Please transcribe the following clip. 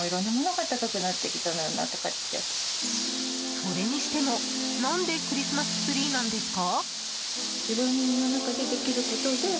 それにしても、何でクリスマスツリーなんですか？